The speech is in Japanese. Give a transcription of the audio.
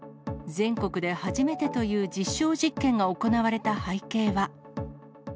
全国で初めてという実証実験が行われた背景は。